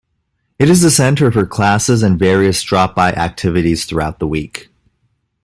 It is a center for classes and various drop-by activities throughout the week.